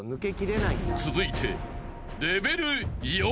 ［続いて］